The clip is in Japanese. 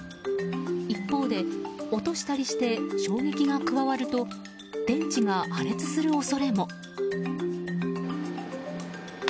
一方で落としたりして衝撃が加わると電池が破裂する恐れも。